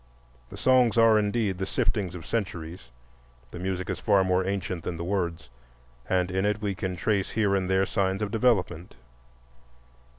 The songs are indeed the siftings of centuries; the music is far more ancient than the words, and in it we can trace here and there signs of development.